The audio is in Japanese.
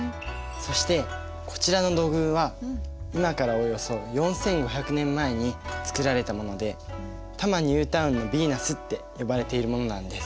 そしてこちらの土偶は今からおよそ４，５００年前に作られたもので多摩ニュータウンのヴィーナスって呼ばれているものなんです。